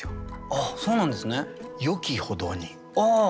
あっそうなんですね。